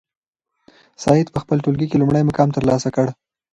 سعید په خپل ټولګي کې لومړی مقام ترلاسه کړ.